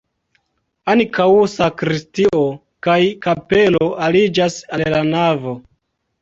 Ankaŭ sakristio kaj kapelo aliĝas al la navo.